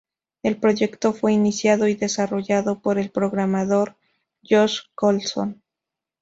El proyecto fue iniciado y desarrollado por el programador Josh Colson.